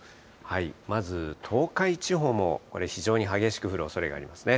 まず東海地方もこれ、非常に激しく降るおそれがありますね。